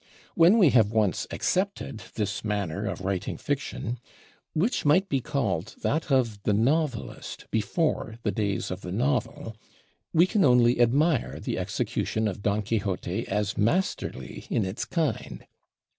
When we have once accepted this manner of writing fiction which might be called that of the novelist before the days of the novel we can only admire the execution of 'Don Quixote' as masterly in its kind.